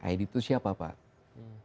id itu siapa pak